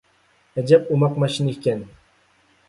ئەجەب ئوماق ماشىنا ئىكەن.